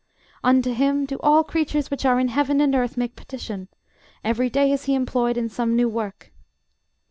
Unto him do all creatures which are in heaven and earth make petition; every day is he employed in some new work.